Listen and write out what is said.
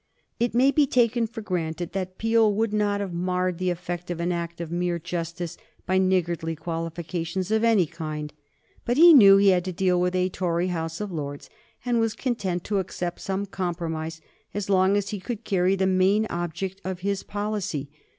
It may be taken for granted that Peel would not have marred the effect of an act of mere justice by niggardly qualifications of any kind, but he knew he had to deal with a Tory House of Lords, and was content to accept some compromise as long as he could carry the main object of his policy.